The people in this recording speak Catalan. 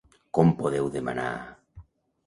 Com podeu demanar...?